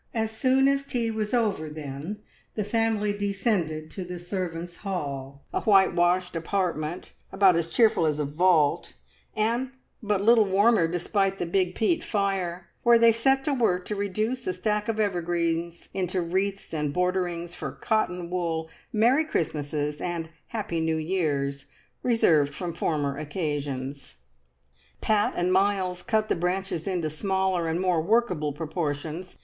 As soon as tea was over, then, the family descended to the servants' hall, a whitewashed apartment about as cheerful as a vault, and but little warmer despite the big peat fire, where they set to work to reduce a stack of evergreens into wreaths and borderings for cotton wool "Merrie Christmases" and "Happy Newe Yeares" reserved from former occasions. Pat and Miles cut the branches into smaller and more workable proportions.